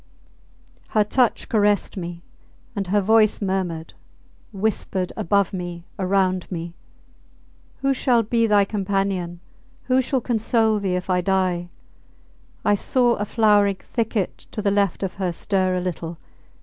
Her touch caressed me, and her voice murmured, whispered above me, around me. Who shall be thy companion, who shall console thee if I die? I saw a flowering thicket to the left of her stir a little